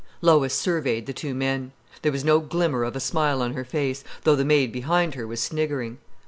Lois surveyed the two men. There was no glimmer of a smile on her face, though the maid behind her was sniggering.